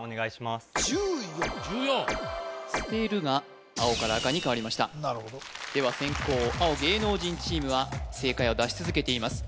「去てる」が青から赤に変わりましたなるほどでは先攻青芸能人チームは正解を出し続けています